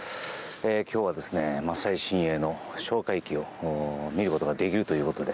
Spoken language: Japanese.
今日はですね、最新鋭の哨戒機を見ることができるということで。